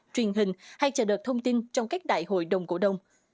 truyền hình hay chờ đợt thông tin trong các đại hội đồng cổ đông